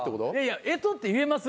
干支って言えます？